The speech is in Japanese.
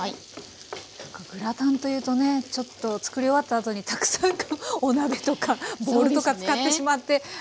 グラタンというとねちょっと作り終わったあとにたくさんお鍋とかボウルとか使ってしまってああ